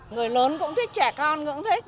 người lớn cũng thích trẻ con cũng thích